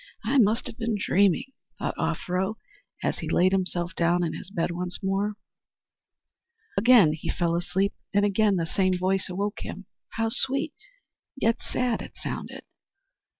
"I must have been dreaming," thought Offero as he laid himself down in his bed once more. Again he fell asleep and again the same voice awoke him. How sweet, yet sad it sounded!